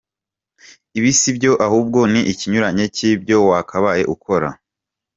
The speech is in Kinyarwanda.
Ibi sibyo ahubwo ni ikinyuranyo cy’ibyo wakabaye ukora.